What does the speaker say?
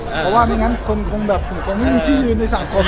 เพราะว่าไม่งั้นคนคงไม่มีที่อยู่ในสังคมนะ